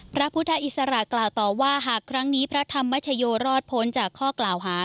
พระพุทธอิสระกล่าวต่อว่าหากครั้งนี้พระธรรมชโยรอดพ้นจากข้อกล่าวหา